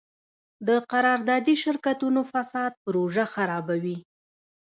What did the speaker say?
د قراردادي شرکتونو فساد پروژه خرابوي.